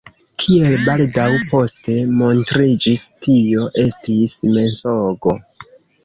Kiel baldaŭ poste montriĝis, tio estis mensogo.